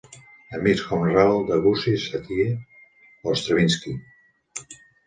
Amics com Ravel, Debussy, Satie o Stravinski.